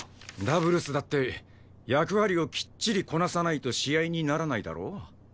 ダブルスだって役割をきっちりこなさないと試合にならないだろ？